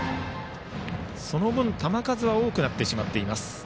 その分、球数は多くなってしまっています。